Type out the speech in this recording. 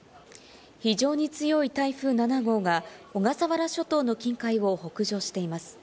非常に強い台風７号が、小笠原諸島の近海を北上しています。